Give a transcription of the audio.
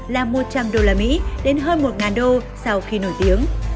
năm một trăm linh usd đến hơn một usd sau khi nổi tiếng